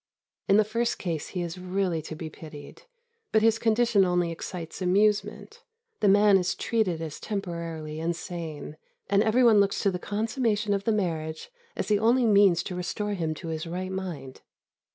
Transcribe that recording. In the first case he is really to be pitied; but his condition only excites amusement. The man is treated as temporarily insane, and every one looks to the consummation of the marriage as the only means to restore him to his right mind.